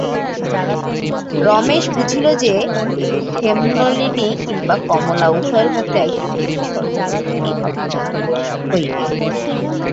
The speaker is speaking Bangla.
রমেশ বুঝিল যে, হেমনলিনী কিংবা কমলা উভয়ের মধ্যে একজনকে বিসর্জন দিতেই হইবে।